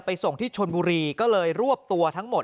ส่งที่ชนบุรีก็เลยรวบตัวทั้งหมด